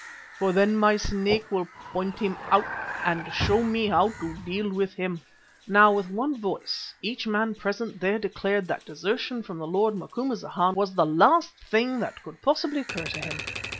For then my Snake will point him out and show me how to deal with him." Now with one voice each man present there declared that desertion from the lord Macumazana was the last thing that could possibly occur to him.